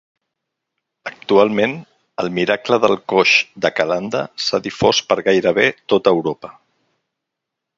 Actualment, el miracle del coix de Calanda s'ha difós per gairebé tota Europa.